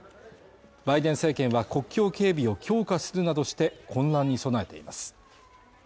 バイデン政権は国境警備を強化するなどして混乱に備えています。